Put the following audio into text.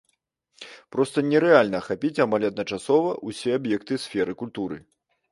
Проста нерэальна ахапіць амаль адначасова ўсе аб'екты сферы культуры.